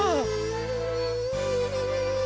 うん。